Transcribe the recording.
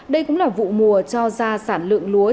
đây cũng là vụ mùa cho ra sản lượng lúa